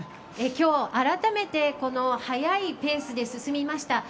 あらためて速いペースで進みました。